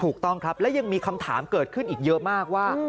ถูกต้องครับและยังมีคำถามเกิดขึ้นอีกเยอะมากว่า